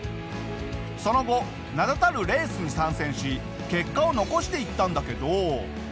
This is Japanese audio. その後名だたるレースに参戦し結果を残していったんだけど。